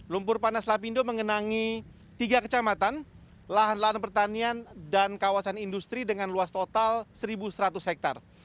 lumpur panas lapindo mengenangi tiga kecamatan lahan lahan pertanian dan kawasan industri dengan luas total satu seratus hektare